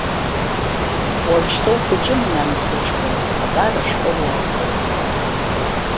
Уажәшьҭа ухәыҷым, нан, сыҷкәын, абар ашкол уалгауеит.